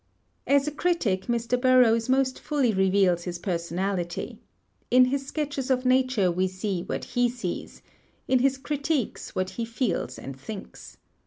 As a critic Mr. Burroughs most fully reveals his personality. In his sketches of nature we see what he sees; in his critiques, what he feels and thinks.